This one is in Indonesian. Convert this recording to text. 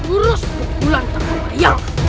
urus pukulan tak payah